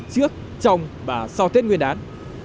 trước trong và sau tết nguyên đán